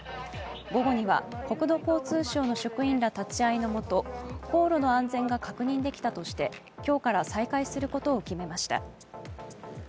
午後には国土交通省の職員ら立ち会いのもと航路の安全が確認できたとして今日から再開することを決めました。